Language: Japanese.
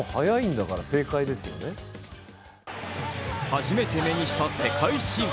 初めて目にした世界新。